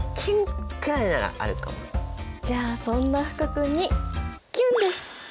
じゃあそんな福君にキュンです！